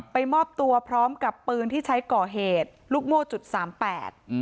มอบตัวพร้อมกับปืนที่ใช้ก่อเหตุลูกโม่จุดสามแปดอืม